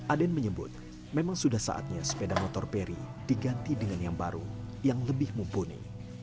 aden menyebut memang sudah saatnya sepeda motor peri diganti dengan yang baru yang lebih mumpuni